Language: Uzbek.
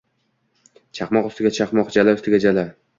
Chaqmoq ustiga chaqmoq, jala ustiga jala.